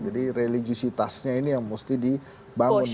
jadi religiusitasnya ini yang mesti dibangun